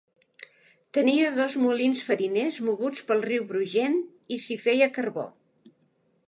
Tenia dos molins fariners moguts pel riu Brugent i s'hi feia carbó.